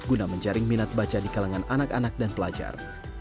guna menjaring minat baca di kalangan anak anak dan pelajar